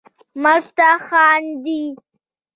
مرګ ته خاندي